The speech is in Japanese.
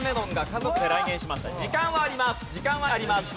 時間はあります